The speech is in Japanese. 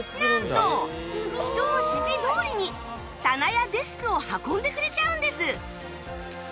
なんと人の指示どおりに棚やデスクを運んでくれちゃうんです